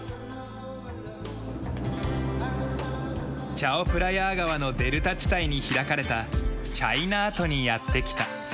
チャオプラヤー川のデルタ地帯に開かれたチャイナートにやって来た。